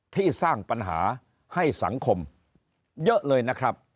ที่สร้างปัญหาให้สังคมเยอะเลยนะครับ